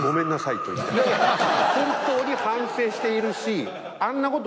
本当に反省しているし。